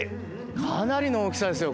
かなりの大きさですよ！